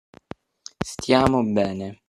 Stiamo bene.